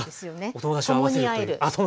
お友達とあわせるという。